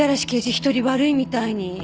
一人悪いみたいに。